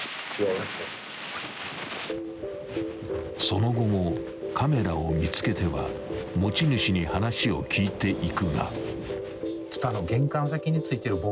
［その後もカメラを見つけては持ち主に話を聞いていくが］